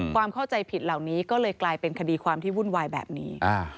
ความเข้าใจผิดเหล่านี้ก็เลยกลายเป็นคดีความที่วุ่นวายแบบนี้